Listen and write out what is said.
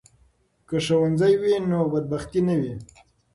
که ښوونځی وي نو بدبختي نه وي.